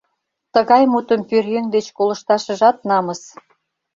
Тыгай мутым пӧръеҥ деч колышташыжат намыс.